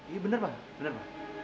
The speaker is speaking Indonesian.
iya benar pak